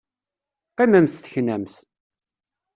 Qqimemt teknamt!